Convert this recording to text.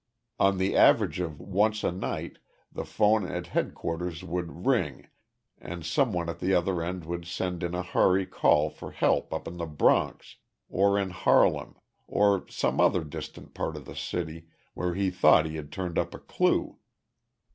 On the average of once a night the phone at headquarters would ring and some one at the other end would send in a hurry call for help up in the Bronx or in Harlem or some other distant part of the city where he thought he had turned up a clue.